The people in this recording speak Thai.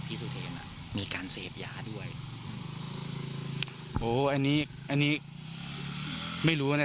สุเทรนอ่ะมีการเสพยาด้วยโอ้อันนี้อันนี้ไม่รู้นะ